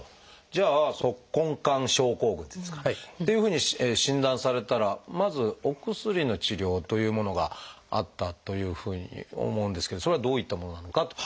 じゃあ「足根管症候群」っていうんですかっていうふうに診断されたらまずお薬の治療というものがあったというふうに思うんですけどそれはどういったものなのかと。